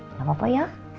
gak apa apa ya